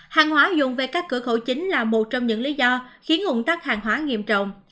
hàng hóa dùng về các cửa khẩu chính là một trong những lý do khiến ủng tắc hàng hóa nghiêm trọng